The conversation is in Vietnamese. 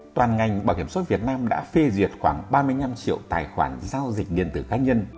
toàn ngành bảo hiểm xã hội việt nam đã phê duyệt khoảng ba mươi năm triệu tài khoản giao dịch điện tử cá nhân